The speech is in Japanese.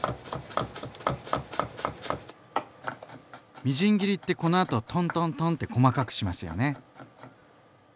みじん切りってこのあとトントントンって細かくしますよね？